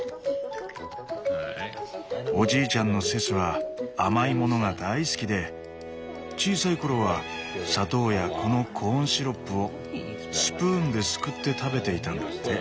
おじいちゃんのセスは甘いものが大好きで小さい頃は砂糖やこのコーンシロップをスプーンですくって食べていたんだって。